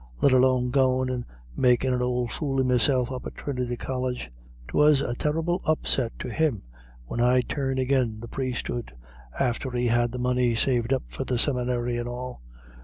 Let alone goin' and makin' an ould fool of meself up at Trinity College.... 'Twas a terrible upset to him when I turned again the Priesthood, after he had the money saved up for the seminary and all.